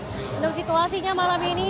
tentu situasinya malam ini